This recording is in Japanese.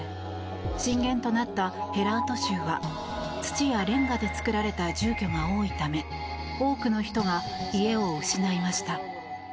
震源となったヘラート州は土やレンガで造られた住居が多いため多くの人が家を失いました。